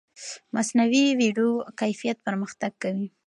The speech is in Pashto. مصنوعي ویډیو کیفیت پرمختګ کوي.